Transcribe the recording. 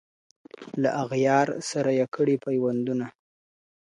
له اغيار سره يې كړي پيوندونه.